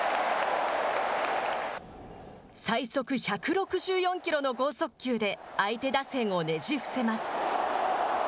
最速１６４キロの剛速球で相手打線をねじ伏せます。